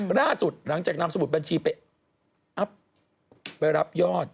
ล่าสุดหลังจากนำสมุดบัญชีไปอัพไปรับยอด